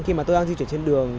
khi mà tôi đang di chuyển trên đường